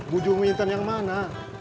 bu juminten yang mana